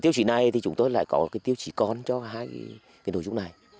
tiêu chí này thì chúng tôi lại có tiêu chí con cho hai nội dung này